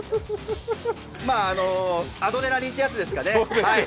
まあ、アドレナリンってやつですかね。